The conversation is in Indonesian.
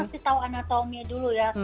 kan harus tahu anatomi dulu ya